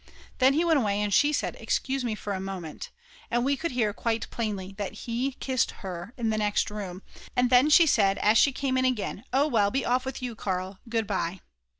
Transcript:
Then he went away, and she said: "Excuse me for a moment," and we could hear quite plainly that he kissed her in the next room, and then she said as she came in again: "Oh well, be off with you, Karl, goodbye."